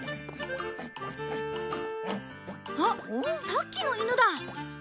あっさっきのイヌだ。